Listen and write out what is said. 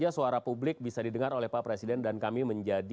suara publik bisa didengar oleh pak presiden dan kami menjadi